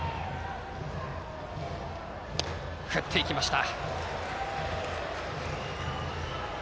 振って行きました。